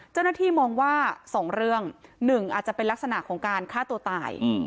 เจ้าหน้าที่มองว่า๒เรื่อง๑อาจจะเป็นลักษณะของการฆ่าตัวตาย